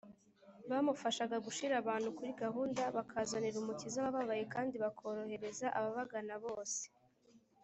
bamufashaga gushyira abantu kuri gahunda, bakazanira umukiza abababaye, kandi bakorohereza ababagana bose